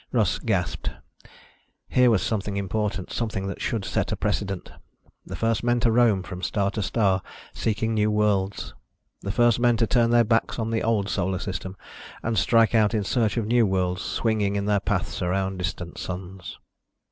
Russ gasped. Here was something important, something that should set a precedent. The first men to roam from star to star seeking new worlds. The first men to turn their backs on the old solar system and strike out in search of new worlds swinging in their paths around distant suns.